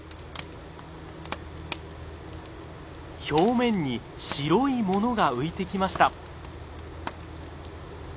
表面に白いものが浮いてきました。